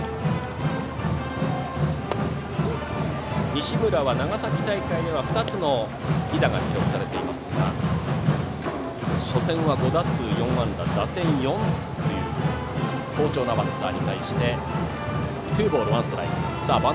西村は長崎大会では２つの犠打が記録されていますが初戦は５打数４安打打点４という好調なバッター。